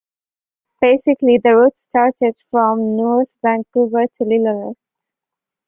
Basically the route started from North Vancouver to Lillooet.